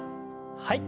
はい。